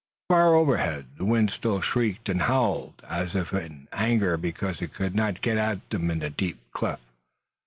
Far overhead the wind still shrieked and howled, as if in anger because it could not get at them in the deep cleft.